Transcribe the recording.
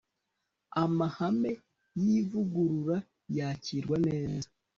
amahame yi vugurura yakirwa neza